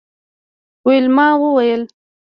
ویلما وویل